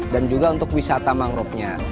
dan juga untuk wisata mangrovenya